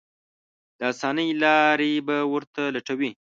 د اسانۍ لارې به ورته لټوي.